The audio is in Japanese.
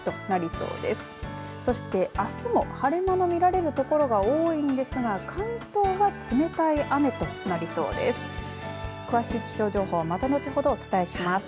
そして、あすの晴れ間の見られる所が多いんですが関東は冷たい雨となりそうです。